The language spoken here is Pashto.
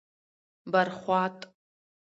بر خوات: